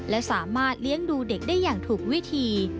และสามารถเลี้ยงดูเด็กได้อย่างถูกวิธี